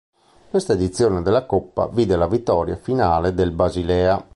Questa edizione della coppa vide la vittoria finale del Basilea.